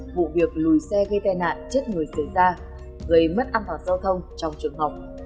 vụ việc lùi xe gây tai nạn chết người xảy ra gây mất an toàn giao thông trong trường học